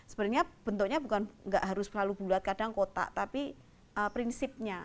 sebenarnya bentuknya bukan nggak harus terlalu bulat kadang kotak tapi prinsipnya